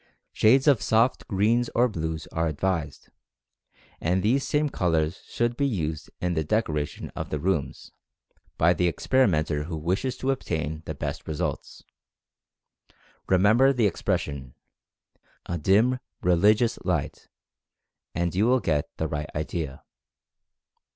Shades of soft greens or blues are advised, and these same colors should be used in the decorations of the rooms by the experimenter who wishes to obtain the best results. Remember the expression, "a dim, religious light," and you will get the right idea.